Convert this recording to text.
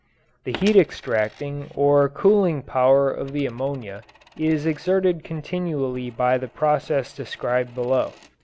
The heat extracting or cooling power of the ammonia is exerted continually by the process described below.